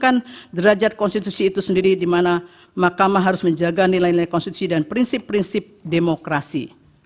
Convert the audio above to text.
kita akan derajat konstitusi itu sendiri di mana mahkamah harus menjaga nilai nilai konstitusi dan prinsip prinsip demokrasi